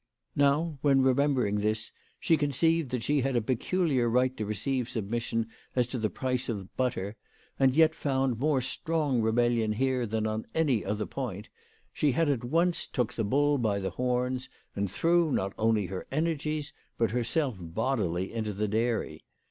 Now, when, WHY FRAU mOHMANN RAISED HER PRICES. 53 remembering this, she conceived that she had a pecu liar right to receive submission as to the price of butter, and yet found more strong rebellion here than on any other point, she at once took the bull by the horns, and threw not only her energies, but herself bodily into the dairy.